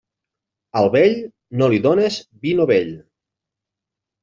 Al vell, no li dónes vi novell.